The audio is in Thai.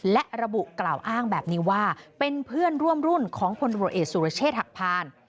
และระบุกล่าวอ้างแบบนี้ว่าเป็นเพื่อนร่วมรุ่นของพลตรวจเอกสุรเชษฐหักพาน